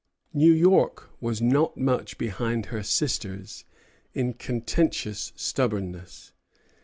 New York was not much behind her sisters in contentious stubbornness.